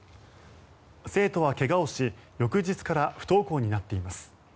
生徒は怪我をし翌日から不登校になっています。